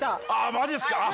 マジっすか？